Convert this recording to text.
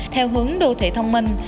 theo hướng đô thị thông minh